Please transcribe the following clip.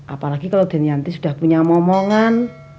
apalagi kalau den yanti sudah punya omongan